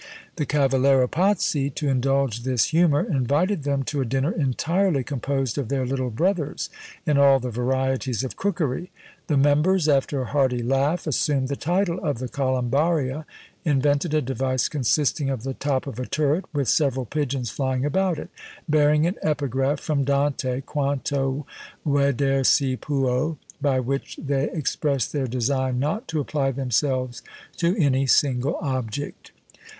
The Cavallero Pazzi, to indulge this humour, invited them to a dinner entirely composed of their little brothers, in all the varieties of cookery; the members, after a hearty laugh, assumed the title of the Colombaria, invented a device consisting of the top of a turret, with several pigeons flying about it, bearing an epigraph from Dante, Quanto veder si puÃĠ, by which they expressed their design not to apply themselves to any single object.